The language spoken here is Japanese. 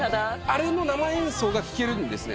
あれの生演奏が聴けるんですね？